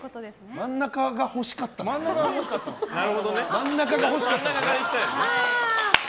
真ん中が欲しかったのかな。